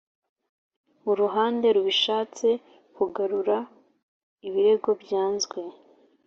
uruhande rubishatse kugarura ibirego byanzwe